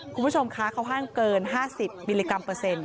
คุณผู้ชมคะเขาห้างเกิน๕๐มิลลิกรัมเปอร์เซ็นต์